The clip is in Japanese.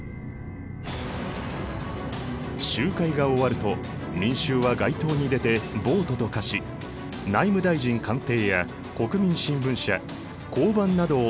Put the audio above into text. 集会が終わると民衆は街頭に出て暴徒と化し内務大臣官邸や国民新聞社交番などを襲撃。